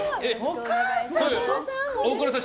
大倉さん